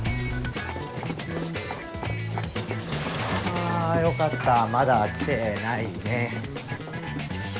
あよかったまだ来てないね。